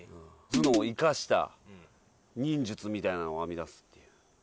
頭脳を生かした忍術みたいなのを編み出すっていう。